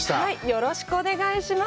よろしくお願いします。